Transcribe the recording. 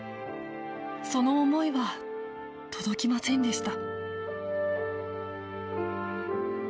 その思いは届きませんでした